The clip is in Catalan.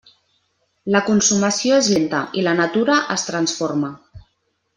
La consumació és lenta, i la natura es transforma.